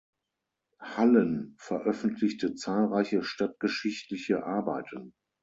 Hallen veröffentlichte zahlreiche stadtgeschichtliche Arbeiten.